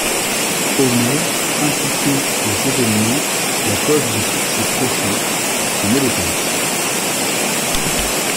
Omer imputait aux événements la cause de succès prochains pour son éloquence.